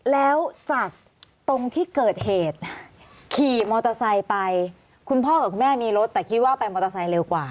แล้วจากตรงที่เกิดเหตุขี่มอเตอร์ไซค์ไปคุณพ่อกับคุณแม่มีรถแต่คิดว่าไปมอเตอร์ไซค์เร็วกว่า